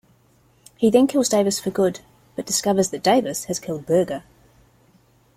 He then kills Davis for good, but discovers that Davis has killed Burger.